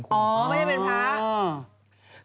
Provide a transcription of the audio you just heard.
อ๋อไม่ใช่เป็นพระ